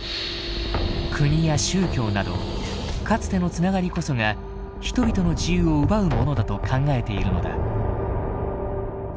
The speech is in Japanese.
国や宗教などかつての繋がりこそが人々の自由を奪うものだと考えているのだ。